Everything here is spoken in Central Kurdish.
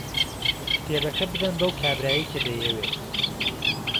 کتێبەکە بدەن بەو کابرایەی کە دەیەوێت.